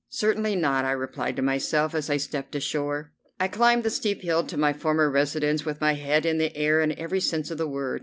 Certainly not, I replied to myself, as I stepped ashore. I climbed the steep hill to my former residence with my head in the air in every sense of the word.